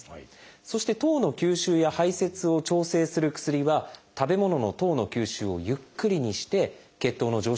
そして糖の吸収や排せつを調整する薬は食べ物の糖の吸収をゆっくりにして血糖の上昇を抑えます。